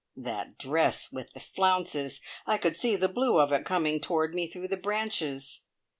That dress with the flounces! I could see the blue of it coming toward me through the branches.